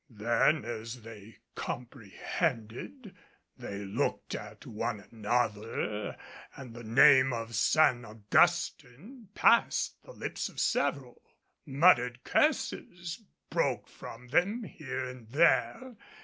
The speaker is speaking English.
Then as they comprehended, they looked at one another and the name of San Augustin passed the lips of several. Muttered curses broke from them here and there.